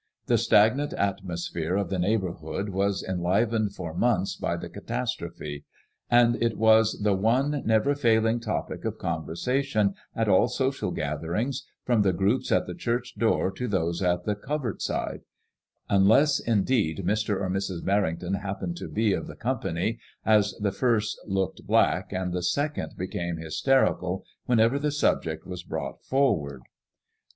The stagnant atmosphere of the neighbourhood was enlivened for months by the catastrophe, MADEMOISELLE IXS. l8l and it was the one never failing topic of conversation at ail social gatherings, from the groups at the church door to those at the covert side ; unless, indeed, Mr. or Mrs. Merrington happened to be of the company, as the first looked black, and the second became hysterical whenever the subject was brought forward.